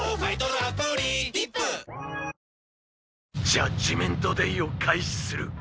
ジャッジメント・デイを開始する！